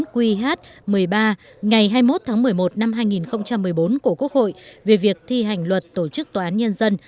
quy hát một mươi ba ngày hai mươi một tháng một mươi một năm hai nghìn một mươi bốn của quốc hội về việc thi hành luật tổ chức tòa án nhân dân